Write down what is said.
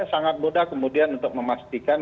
sangat mudah kemudian untuk memastikan